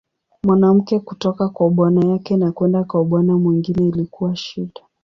Mwanamke kutoka kwa bwana yake na kwenda kwa bwana mwingine ilikuwa shida.